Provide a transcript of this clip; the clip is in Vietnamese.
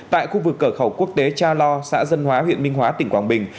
tại khu vực cửa khẩu quốc tế cha lo xã dân hóa huyện minh hóa tỉnh quảng bình